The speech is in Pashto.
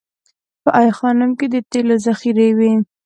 په ای خانم کې د تیلو ذخیرې وې